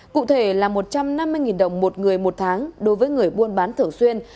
cụ thể là một trăm năm mươi đồng một người một tháng đối với người buôn bán thường xuyên